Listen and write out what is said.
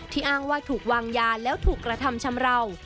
อ้างว่าถูกวางยาแล้วถูกกระทำชำราว